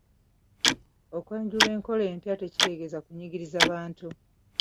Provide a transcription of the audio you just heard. Okwanjula enkola empya tekitegeeza kunyigiriza Bantu.